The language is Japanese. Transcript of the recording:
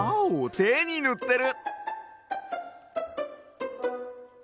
てにぬってる！